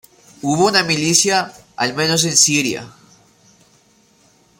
Hubo una milicia, al menos en Siria.